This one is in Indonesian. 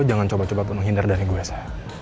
lo jangan coba coba pun menghindar dari gue sa